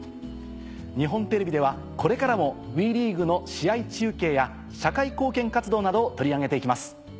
日本テレビではこれからもＷＥリーグの試合中継や社会貢献活動などを取り上げて行きます。